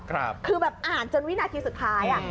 คือแบบอ่านจนวินาทีสุดท้าย